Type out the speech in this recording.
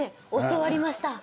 教わりました。